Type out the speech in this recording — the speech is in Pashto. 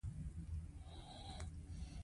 ليلما يې په زوره ټېلوهله.